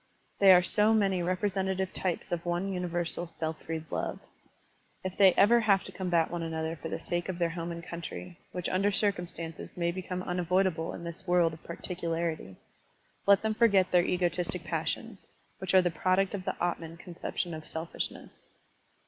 They are so many representative types of one tmiversal self freed love. If they ever have to combat one another for the sake of their home and cotmtry, — ^which tmder circtmistances may become tmavoidable in this world of particu larity, — let them forget their egotistic passions, which are the product of the atman conception — of selfishness.